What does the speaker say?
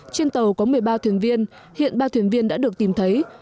trên tàu có một mươi ba thuyền viên hiện ba thuyền viên đã được tìm thấy